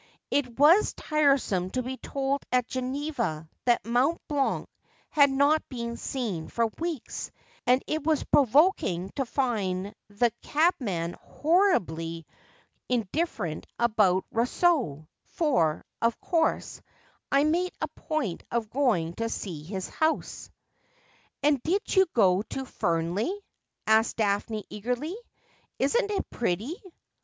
It was tiresome to be told at Geneva that Mont Blanc had not been seen for weeks, and it was provoking to find the cabman horribly TAer teas no Wight, to loliom She durste Plain.' 335 indifferent about Eousseau — for, of course, I made a point of going to see his house.' ' And did you go to Ferney ?' asked Daphne eagerly. ' Isn't it pretty